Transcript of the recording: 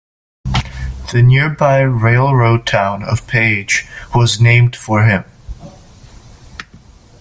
The nearby railroad town of Page was named for him.